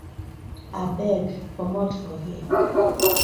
Abeg comot for here.